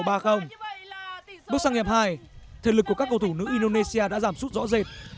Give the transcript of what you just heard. bước sang hiệp hai thể lực của các cầu thủ nữ indonesia đã giảm sút rõ rệt